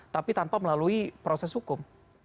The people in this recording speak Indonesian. tapi tanpa melalui proses hukum